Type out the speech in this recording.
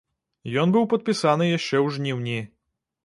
Ён быў падпісаны яшчэ ў жніўні.